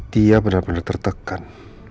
dia benar benar tertekan